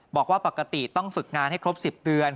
บอกว่าปกติต้องฝึกงานให้ครบ๑๐เดือน